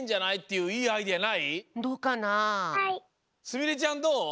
すみれちゃんどう？